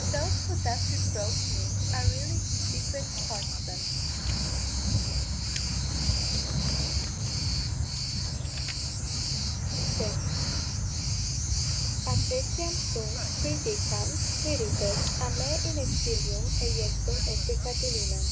Those who thus reproach me are really his secret partisans._ =6.= At etiam sunt qui dicant, Quirites, a me in exilium eiectum 12 esse Catilinam.